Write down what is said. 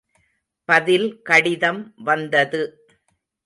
பதில் கடிதம் வந்தது.